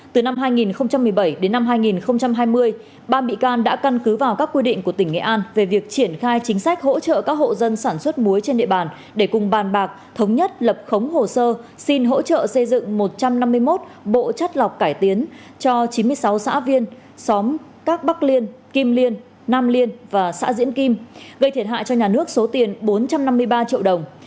từ năm hai nghìn một mươi bảy đến năm hai nghìn hai mươi ba bị can đã căn cứ vào các quy định của tỉnh nghệ an về việc triển khai chính sách hỗ trợ các hộ dân sản xuất muối trên địa bàn để cùng bàn bạc thống nhất lập khống hồ sơ xin hỗ trợ xây dựng một trăm năm mươi một bộ chất lọc cải tiến cho chín mươi sáu xã viên xóm các bắc liên kim liên nam liên và xã diễn kim gây thiệt hại cho nhà nước số tiền bốn trăm năm mươi ba triệu đồng